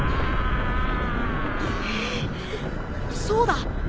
そうだ！